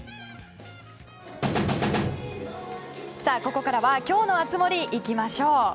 ここからは今日の熱盛行きましょう。